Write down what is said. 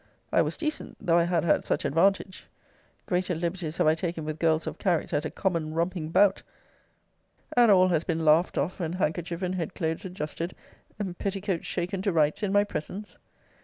I was decent, though I had her at such advantage. Greater liberties have I taken with girls of character at a common romping 'bout, and all has been laughed off, and handkerchief and head clothes adjusted, and petticoats shaken to rights, in my presence.